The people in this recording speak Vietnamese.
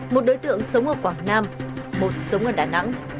một đối tượng sống ở quảng nam một sống ở đà nẵng